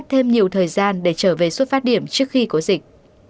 tình hình điều trị covid một mươi chín